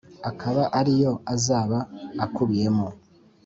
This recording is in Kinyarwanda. akaba ari yo azaba akubiyemo